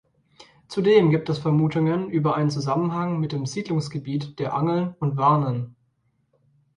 Zudem gibt es Vermutungen über einen Zusammenhang mit dem Siedlungsgebiet der Angeln und Warnen.